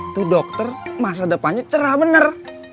itu dokter masa depannya cerah bener